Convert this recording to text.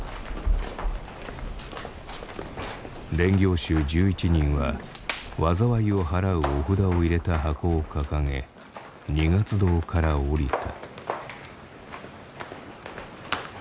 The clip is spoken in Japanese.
練行衆１１人は災いをはらうお札を入れた箱を掲げ二月堂から下りた。